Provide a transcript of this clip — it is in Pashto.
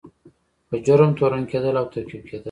په جرم تورن کیدل او توقیف کیدل.